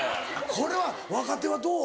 これは若手はどう？